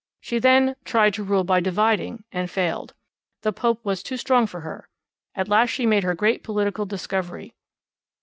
She then 'tried to rule by dividing,' and failed. The Pope was too strong for her. At last she made her great political discovery.